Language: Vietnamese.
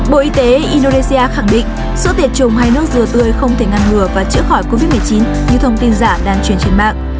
bộ y tế indonesia khẳng định sự tiệt trùng hai nước dừa tươi không thể ngăn ngừa và chữa khỏi covid một mươi chín như thông tin giả đang truyền trên mạng